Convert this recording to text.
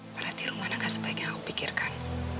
berarti rumana gak sebaik yang aku pikirkan